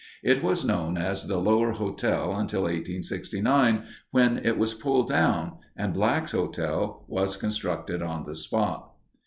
It was known as the Lower Hotel until 1869, when it was pulled down, and Black's Hotel was constructed on the spot.